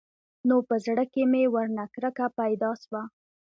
نو په زړه کښې مې ورنه کرکه پيدا سوه.